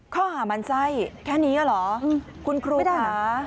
ข้อหามันไส้แค่นี้เหรอคุณครูค่ะ